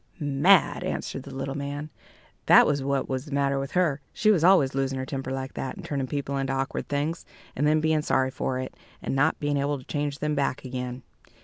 "Mad," answered the little man "that was what was the matter with her. She was always losing her temper like that, and turning people into awkward things, and then being sorry for it, and not being able to change them back again.